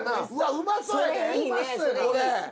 うまそうやでこれ。